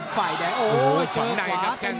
ไฟล์แดงค์